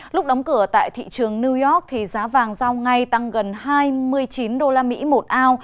lúc đóng cửa tại thị trường new york thì giá vàng giao ngay tăng gần hai mươi chín đô la mỹ một ao